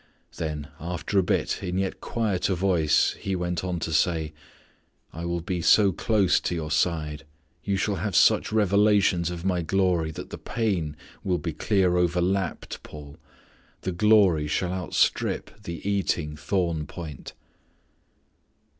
Then after a bit in yet quieter voice He went on to say, "I will be so close to your side; you shall have such revelations of My glory that the pain will be clear overlapped, Paul; the glory shall outstrip the eating thorn point."